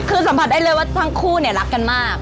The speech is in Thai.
คือสัมผัสได้เลยว่าทั้งคู่เนี่ยรักกันมาก